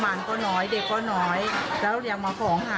หากของเก่าซี่หายไปคือของใหม่